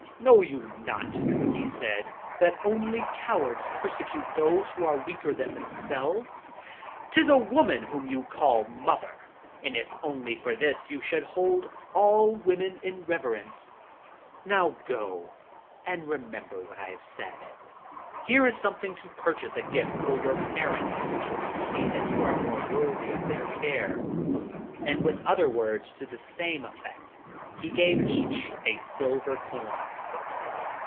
'Know you not,' he said, 'that only cowards persecute those who are weaker than themselves? 'Tis a woman whom you call 'mother,' and if only for this, you should hold all women in reverence. Now go and remember what I have said. Here is something to purchase a gift for your parents. See that you are more worthy of their care.' And with other words to the same effect, he gave each a silver coin.